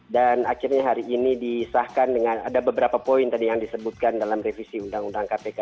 dan akhirnya hari ini disahkan dengan ada beberapa poin tadi yang disebutkan dalam revisi undang undang kpk